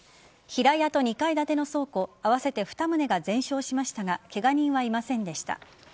平屋と２階建ての倉庫合わせて２棟が全焼しましたがケガ人はいませんでした。